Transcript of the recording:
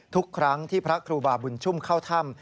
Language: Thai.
ทุกครั้งที่พระครูบาบุญชุ่มเข้าถ้ำ